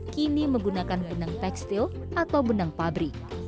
kini menggunakan benang tekstil atau benang pabrik